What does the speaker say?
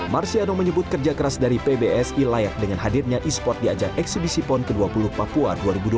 marsiano menyebut kerja keras dari pbesi layak dengan hadirnya esports di ajang eksibisi pekan ke dua puluh papua dua ribu dua puluh satu